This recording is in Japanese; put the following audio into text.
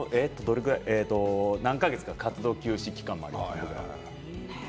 何か月か活動休止期間もあって。